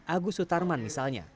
agus sutarman misalnya